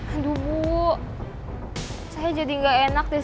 aduh bu saya jadi nggak enak deh